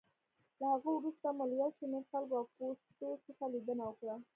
له هغه وروسته مو له یو شمېر خلکو او پوستو څخه لېدنه وکړه.